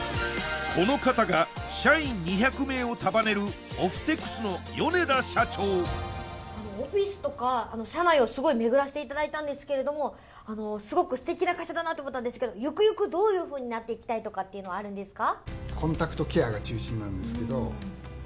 この方が社員２００名を束ねるオフテクスの米田社長オフィスとか社内をすごい巡らせていただいたんですけれどすごく素敵な会社だなと思ったんですけどゆくゆくどういうふうになっていきたいとかっていうのはあるんですか？